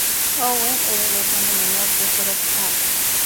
Owen era el hermano menor de Bret Hart.